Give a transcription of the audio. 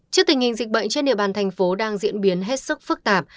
trước tình hình dịch bệnh trên địa bàn thành phố đang diễn biến hết sức phức tạp